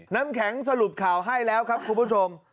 น้ำแข็งสรุปข่าวให้แล้วครับคุณผู้ชม